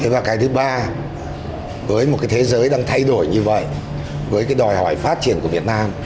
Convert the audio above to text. và cái thứ ba với một cái thế giới đang thay đổi như vậy với cái đòi hỏi phát triển của việt nam